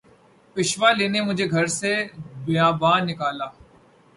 پیشوا لینے مجھے گھر سے بیاباں نکلا